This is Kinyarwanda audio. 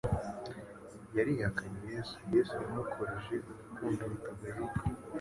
yarihakanye Yesu, Yesu yamukomereje urukundo rutagajuka.